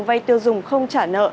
vay tiêu dùng không trả nợ